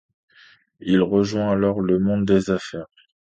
Il rejoint alors le monde des affaires.